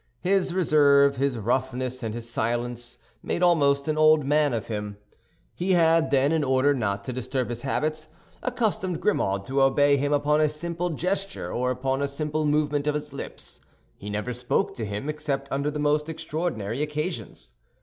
His reserve, his roughness, and his silence made almost an old man of him. He had, then, in order not to disturb his habits, accustomed Grimaud to obey him upon a simple gesture or upon a simple movement of his lips. He never spoke to him, except under the most extraordinary occasions.